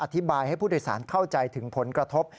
อธิบายให้ผู้โดยสารเข้าใจถึงผลกระทบ